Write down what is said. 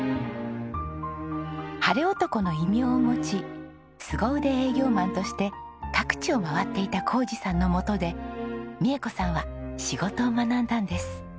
ハレオトコの異名を持ちすご腕営業マンとして各地を回っていた宏二さんのもとで美恵子さんは仕事を学んだんです。